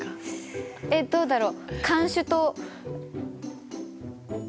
えっどうだろう。